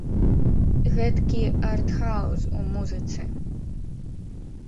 Гэткі арт-хаўз у музыцы.